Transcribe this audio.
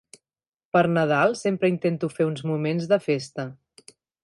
Per Nadal sempre intento fer uns moments de festa.